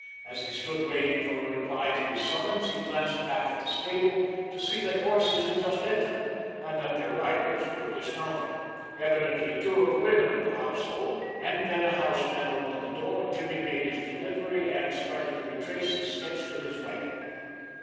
As he stood waiting for a reply to his summons he glanced back at the stable to see that horses had just entered and that their riders were dismounting, evidently two of the women of the household, and then a houseman opened the door and Jimmy made his delivery and started to retrace his steps to his wagon.